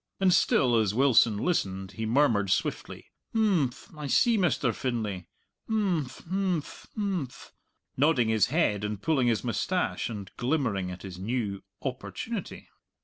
And still as Wilson listened he murmured swiftly, "Imphm! I see, Mr. Finlay; imphm! imphm! imphm!" nodding his head and pulling his moustache and glimmering at his new "opportunity."